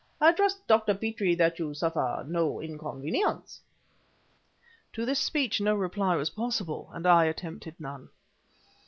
I trust, Dr. Petrie, that you suffer no inconvenience?" To this speech no reply was possible, and I attempted none.